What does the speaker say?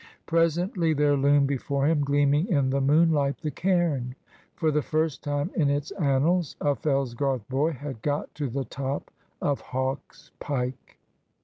Presently there loomed before him, gleaming in the moonlight, the cairn. For the first time in its annals, a Fellsgarth boy had got to the top of Hawk's Pike.